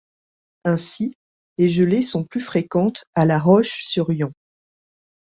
Ainsi, les gelées sont plus fréquentes à La Roche-sur-Yon.